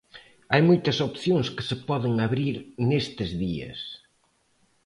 Hai moitas opcións que se poden abrir nestes días.